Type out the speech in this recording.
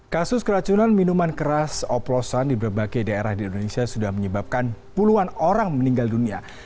kasus keracunan minuman keras oplosan di berbagai daerah di indonesia sudah menyebabkan puluhan orang meninggal dunia